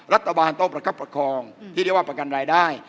รัฐบาลต้องประคับประคองที่เรียกว่าประกันรายได้